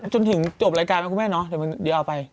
จนถึงจบรายการไหมคุณแม่เนาะเดี๋ยวเอาไป